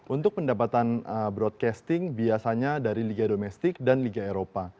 untuk pendapatan broadcasting biasanya dari liga domestik dan liga eropa